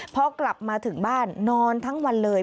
พอกลับมาถึงบ้านนอนทั้งวันเลย